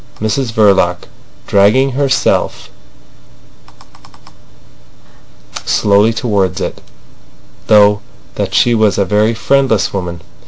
Mrs Verloc, dragging herself slowly towards it, thought that she was a very friendless woman.